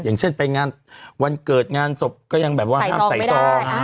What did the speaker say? อย่างเช่นไปงานวันเกิดงานศพก็ยังแบบว่าห้ามใส่ซอง